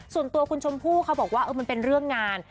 ส่วนตัวคุณชมพู่เขาบอกว่ามันเป็นเรื่องงาน